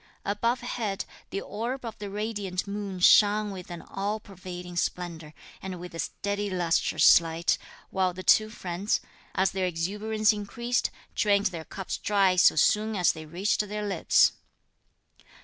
Above head, the orb of the radiant moon shone with an all pervading splendour, and with a steady lustrous light, while the two friends, as their exuberance increased, drained their cups dry so soon as they reached their lips.